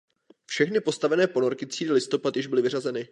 Všechny postavené ponorky třídy "Listopad" již byly vyřazeny.